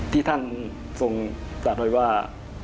ที่ท่านทรงตราด้วยว่า